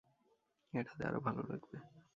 এটাতে আরো ভাল লাগবে।